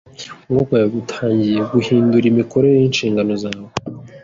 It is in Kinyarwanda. Kunywa kwawe gutangiye guhindura imikorere yinshingano zawe.